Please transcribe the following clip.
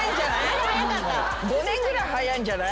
５年ぐらい早いんじゃない？